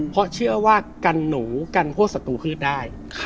เพราะเชื่อว่ากันหนูกันพวกศัตรูพืชได้